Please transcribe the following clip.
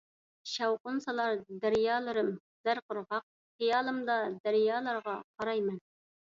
شاۋقۇن سالار دەريالىرىم زەر قىرغاق، خىيالىمدا دەريالارغا قاراي مەن.